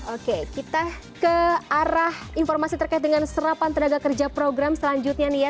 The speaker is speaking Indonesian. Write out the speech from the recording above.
oke kita ke arah informasi terkait dengan serapan tenaga kerja program selanjutnya nih ya